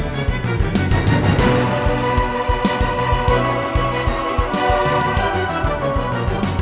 kamu mau berbuat apa sam